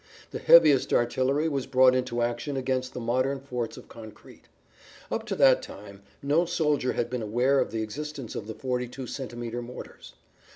The heaviest artillery was brought into action against the modern forts of concrete. Up to that time no soldier had been aware of the existence of the 42 centimeter mortars.